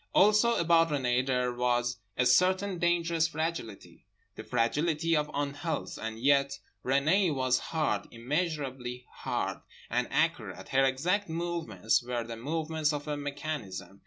Also about Renée there was a certain dangerous fragility, the fragility of unhealth. And yet Renée was hard, immeasurably hard. And accurate. Her exact movements were the movements of a mechanism.